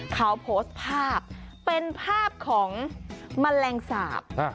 เขาโพสต์ภาพเป็นภาพของแมลงสาป